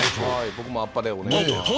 僕もあっぱれお願いします。